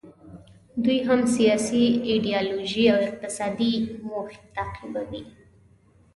دوی هم سیاسي، ایډیالوژیکي او اقتصادي موخې تعقیبوي.